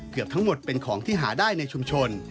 เกือบทั้งหมดเป็นของที่หาได้ในชุมชน